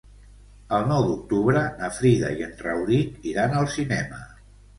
El nou d'octubre na Frida i en Rauric iran al cinema.